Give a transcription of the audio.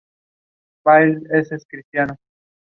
It was eventually concluded he would not attend.